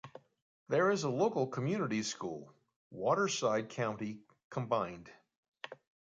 There is a local community school, Waterside County Combined.